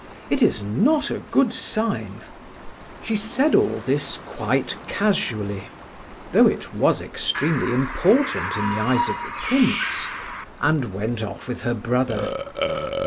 It is not a good sign." She said all this quite casually, though it was extremely important in the eyes of the prince, and went off with her brother.